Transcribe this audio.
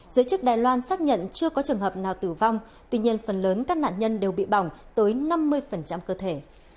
giới chức đài loan xác nhận chưa có trường hợp nào tử vong tuy nhiên phần lớn các nạn nhân đều bị bỏng tới năm mươi cơ thể